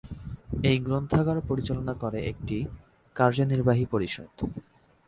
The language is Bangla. এই গ্রন্থাগার পরিচালনা করে একটি কার্যনির্বাহী পরিষদ।